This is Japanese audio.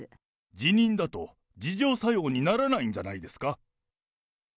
辞任だと、自浄作用にならないんじゃないですか。